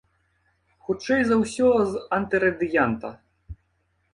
Хутчэй за ўсё, з антырадыянта.